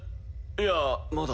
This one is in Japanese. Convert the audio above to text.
いやまだ。